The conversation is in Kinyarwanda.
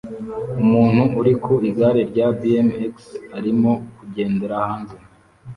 Umuntu uri ku igare rya BMX arimo kugendera hanze